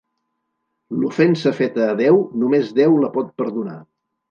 L'ofensa feta a Déu, només Déu la pot perdonar.